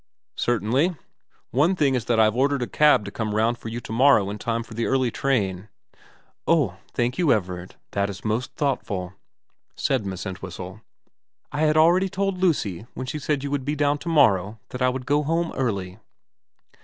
' Certainly. One thing is that I've ordered the cab to come round for you to morrow in time for the early train.' ' Oh thank you, Everard. That is most thoughtful,' XXXI VERA 351 said Miss Entwhistle. * I had already told Lucy, when she said you would be down to morrow, that I would go home early.'